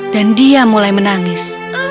dan dia mulai menangis